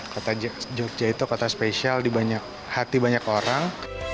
kota jogja itu kota spesial di hati banyak orang